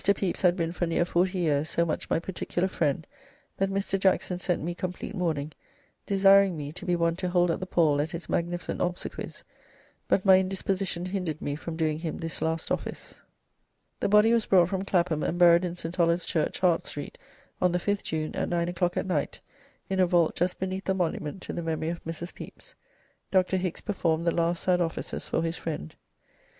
Pepys had been for neere 40 yeeres so much my particular friend that Mr. Jackson sent me compleat mourning, desiring me to be one to hold up the pall at his magnificent obsequies, but my indisposition hinder'd me from doing him this last office." The body was brought from Clapham and buried in St. Olave's Church, Hart Street, on the 5th June, at nine o'clock at night, in a vault just beneath the monument to the memory of Mrs. Pepys. Dr. Hickes performed the last sad offices for his friend.